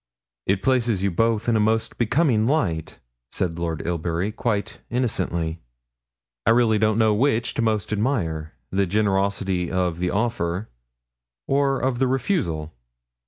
'It places you both in a most becoming light,' said Lord Ilbury, quite innocently. 'I really don't know which most to admire the generosity of the offer or of the refusal.'